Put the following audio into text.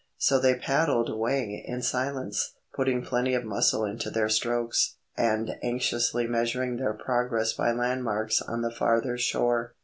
So they paddled away in silence, putting plenty of muscle into their strokes, and anxiously measuring their progress by landmarks on the farther shore.